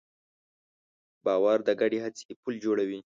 باور د ګډې هڅې پُل جوړوي.